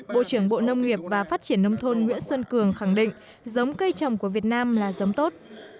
bộ trưởng bộ nông nghiệp và phát triển nông thôn nguyễn xuân cường khẳng định giống cây trồng của việt nam là giống tốt